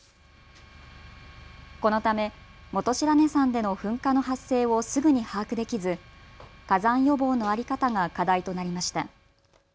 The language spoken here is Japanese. このため本白根山での噴火の発生をすぐに把握できず、火山予防の在り方が課題となりました。